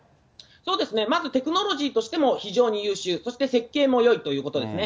そうですね、まずテクノロジーとしても非常に優秀、そして設計もよいということですね。